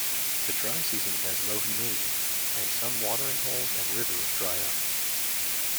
The dry season has low humidity, and some watering holes and rivers dry up.